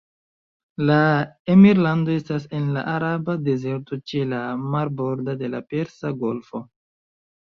La emirlando estas en la Araba Dezerto ĉe la marbordo de la Persa Golfo.